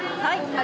はい。